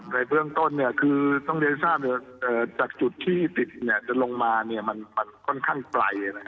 แต่จากจุดที่ติดจะลงมามันค่อนข้างไกล